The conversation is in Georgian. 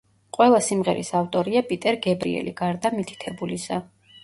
ყველა სიმღერის ავტორია პიტერ გებრიელი, გარდა მითითებულისა.